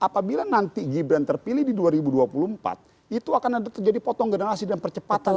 apabila nanti gibran terpilih di dua ribu dua puluh empat itu akan ada terjadi potong generasi dan percepatan